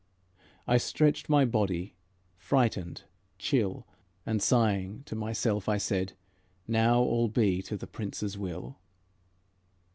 I stretched my body, frightened, chill, And, sighing, to myself I said: "Now all be to the Prince's will."